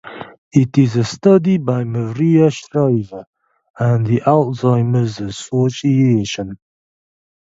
It is a study by Maria Shriver and the Alzheimer's Association.